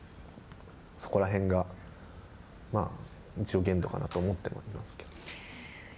そこら辺が一応限度かなと思ってはいますけど。